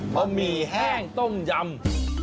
ะหมี่แห้งต้มยำ